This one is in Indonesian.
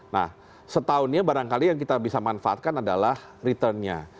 nah setahunnya barangkali yang kita bisa manfaatkan adalah returnnya